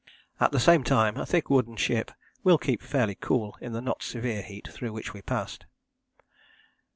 At the same time a thick wooden ship will keep fairly cool in the not severe heat through which we passed.